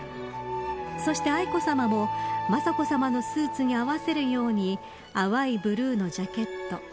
そして、愛子さまも雅子さまのスーツに合わせるように淡いブルーのジャケット。